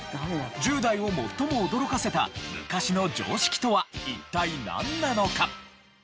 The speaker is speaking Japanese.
１０代を最も驚かせた昔の常識とは一体なんなのか？